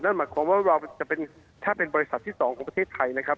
นั่นหมายความว่าเราจะเป็นถ้าเป็นบริษัทที่๒ของประเทศไทยนะครับ